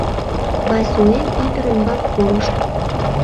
Вайсуэм ӱдыр ӱмбак пурыш.